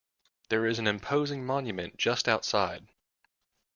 There is an imposing monument just outside.